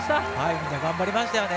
みんな頑張りましたよね。